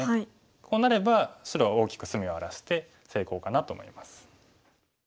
こうなれば白は大きく隅を荒らして成功かなと思います。